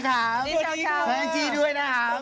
กันนี้รู้สึกใส่ไข่สนจำไงก็ไม่รู้นะครับ